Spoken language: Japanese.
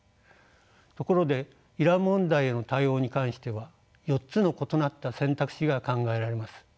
ところでイラン問題への対応に関しては４つの異なった選択肢が考えられます。